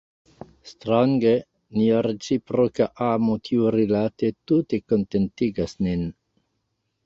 Strange, nia reciproka amo tiurilate tute kontentigas nin.